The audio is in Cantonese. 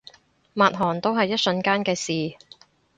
抹汗都係一瞬間嘅事